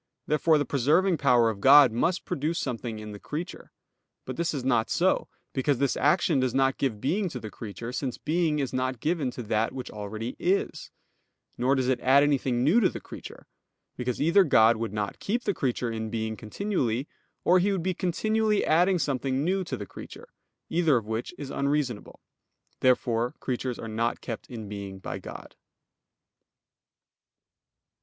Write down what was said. Therefore the preserving power of God must produce something in the creature. But this is not so; because this action does not give being to the creature, since being is not given to that which already is: nor does it add anything new to the creature; because either God would not keep the creature in being continually, or He would be continually adding something new to the creature; either of which is unreasonable. Therefore creatures are not kept in being by God.